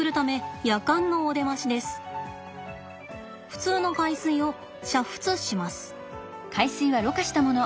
普通の海水を煮沸します。